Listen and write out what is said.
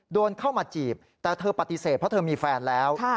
โดนเข้ามาจีบแต่เธอปฏิเสธเพราะเธอมีแฟนแล้ว